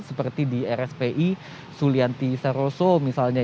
seperti di rspi sulianti saroso misalnya